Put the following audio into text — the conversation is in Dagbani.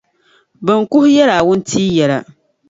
bɛ ni kuhi yɛli a wuntia yɛla.